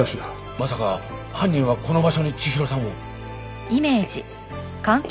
まさか犯人はこの場所に千広さんを？